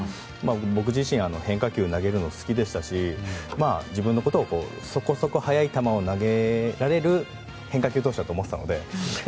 僕自身、変化球を投げるの好きでしたし自分のことをそこそこ速い球を投げられる変化球投手だと思っていたので。